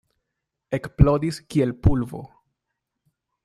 Eksplodis kiel pulvo.